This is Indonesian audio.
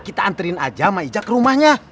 kita anterin aja sama ija ke rumahnya